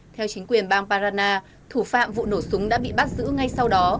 theo chính quyền bang parana thủ phạm vụ nổ súng đã bị bắt giữ ngay sau đó